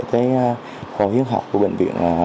với kho hiến học của bệnh viện